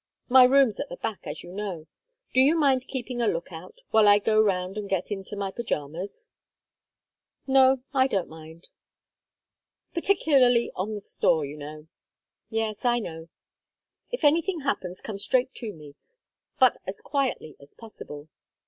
"My room's at the back, as you know; do you mind keeping a look out while I go round and get into my pyjamas?" "No, I don't mind." "Particularly on the store, you know." "Yes, I know." "If anything happens come straight to me, but as quietly as possible."